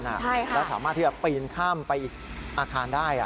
แล้วสามารถที่จะปีนข้ามไปอีกอาคารได้